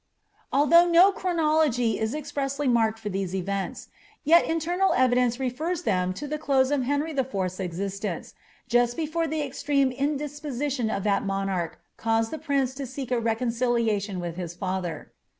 '^ Although no chronology is expressly marked for these events, yet internal evidence refers them to the close of Henry IV.'s existence, just before the extreme indisposition of that monarcli caused the prince to wek a reconciliation with his father.